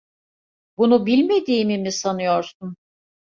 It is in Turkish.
Bunu bilmediğimi mi sanıyorsun?